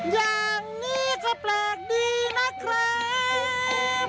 อย่างนี้ก็แปลกดีนะครับ